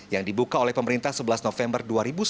yang dibuka oleh pemerintah sebelas november dua ribu sembilan belas